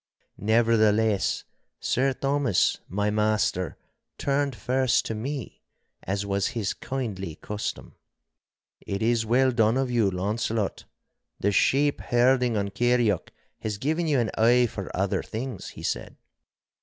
Nevertheless Sir Thomas, my master, turned first to me, as was his kindly custom. 'It is well done of you, Launcelot. The sheep herding on Kirrieoch has given you an eye for other things,' he said.